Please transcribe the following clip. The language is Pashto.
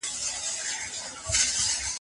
د ښځو ونډه کمه وه.